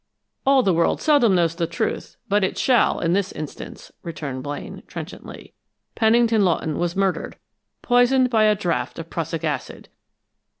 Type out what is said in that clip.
"All the world seldom knows the truth, but it shall, in this instance," returned Blaine, trenchantly. "Pennington Lawton was murdered poisoned by a draught of prussic acid."